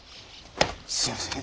すいません。